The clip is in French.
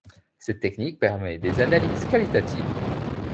Cette technique permet des analyses qualitatives.